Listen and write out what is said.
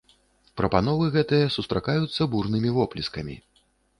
Прапановы гэтыя сустракаюцца бурнымі воплескамі.